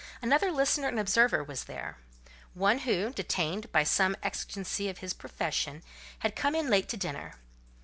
Another listener and observer there was; one who, detained by some exigency of his profession, had come in late to dinner.